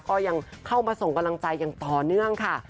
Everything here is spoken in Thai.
ก็ยังเข้ามาส่งกำลังใจอย่างต่อเนื่องค่ะ